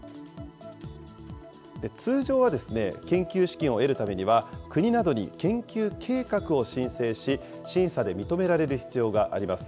通常は、研究資金を得るためには、国などに研究計画を申請し、審査で認められる必要があります。